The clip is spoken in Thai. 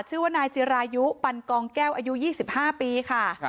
ชื่อว่านายจิรายุปันกองแก้วอายุ๒๕ปีค่ะ